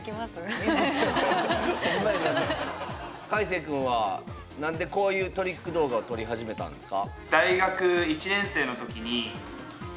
かいせい君は何でこういうトリック動画を撮り始めたんですか？